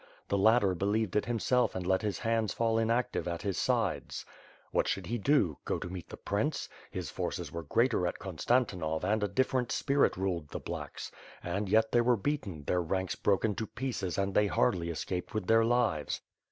The latter believed it himself and let his hands fall inactive at his sides. What should he do? Go to meet the prince? His forces were greater at Konstantinov and a different spirit ruled the blacks;'' and, yet, they were beaten, their ranks broken to pieces and they hardly escaped with their lives.